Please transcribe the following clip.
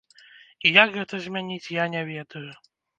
І як гэта змяніць, я не ведаю.